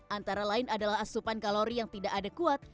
antara lain adalah asupan kalori yang tidak adekuat